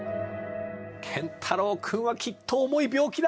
健太郎くんはきっと重い病気だ。